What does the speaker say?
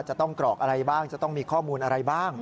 กรอกอะไรบ้างจะต้องมีข้อมูลอะไรบ้าง